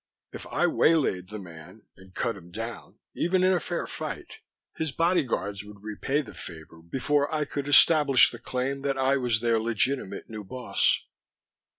If I waylaid the man and cut him down, even in a fair fight, his bodyguards would repay the favor before I could establish the claim that I was their legitimate new boss.